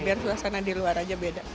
biar suasana di luar aja beda